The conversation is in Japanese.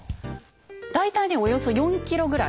大体ねおよそ４ｋｇぐらい。